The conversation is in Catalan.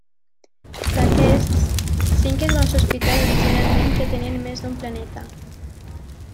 D'aquests, cinc es van sospitar originalment que tenien més d'un planeta.